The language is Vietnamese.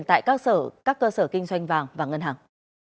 tại các cơ sở kinh doanh vàng và ngân hàng